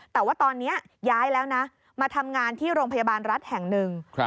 แต่ว่าตอนนี้ย้ายแล้วนะมาทำงานที่โรงพยาบาลรัฐแห่งหนึ่ง